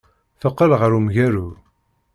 Teqqel ɣer umgaru.